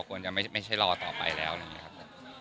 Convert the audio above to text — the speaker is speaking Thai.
ควรจะไม่ใช่รอต่อไปแล้วนะครับผม